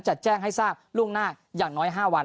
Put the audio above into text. จะแจ้งให้ทราบล่วงหน้าอย่างน้อย๕วัน